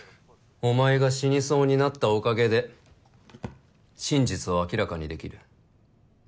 お前が死にそうになったおかげで真実を明らかに出来る。